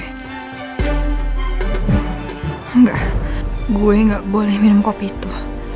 enggak gue gak boleh minum kopi itu